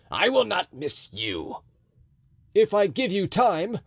I will not miss you." "If I give you time!"